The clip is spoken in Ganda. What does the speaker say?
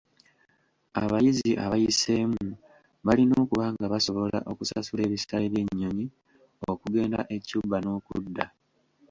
Abayizi abayiseemu balina okuba nga basobola okusasula ebisale by'ennyonyi okugenda e Cuba n'okudda.